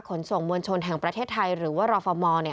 ขนส่งมวลชนแห่งประเทศไทยหรือว่ารฟม